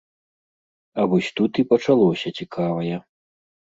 А вось тут і пачалося цікавае.